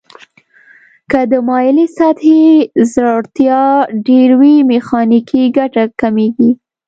که د مایلې سطحې ځوړتیا ډیر وي میخانیکي ګټه کمیږي.